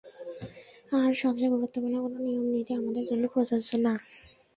আর সবচেয়ে গুরুত্বপূর্ণ কোনো নিয়ম-নীতি আমাদের জন্য প্রযোজ্য না।